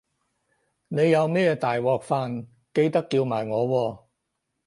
你有咩大鑊飯記得叫埋我喎